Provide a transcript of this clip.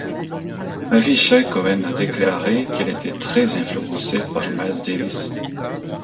Avishai Cohen a déclaré qu'il était très influencé par Miles Davis.